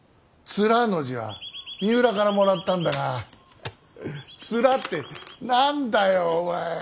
「連」の字は三浦からもらったんだが「連」って何だよお前。